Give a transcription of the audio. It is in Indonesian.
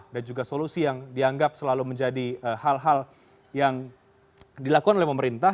dan juga solusi yang dianggap selalu menjadi hal hal yang dilakukan oleh pemerintah